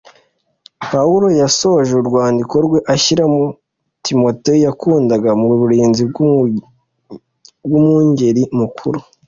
Pawulo yasoje urwandiko rwe ashyira Timoteyo yakundaga mu burinzi bw’Umwungeri Mukuru